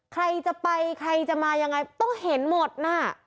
ใครจะไปใครจะมายังไงต้องเห็นหมดน่ะ